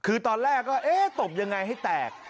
คือตอนแรกก็เอ๊ะตบยังไงให้แตก